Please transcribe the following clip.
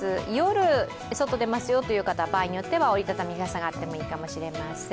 夜、外、出ますよという方、場合によっては折り畳み傘があってもいいかもしれません。